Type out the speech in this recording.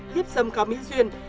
hiếp xâm cao mỹ duyên